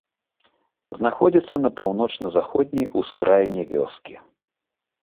Знаходзіцца на паўночна-заходняй ускраіне вёскі.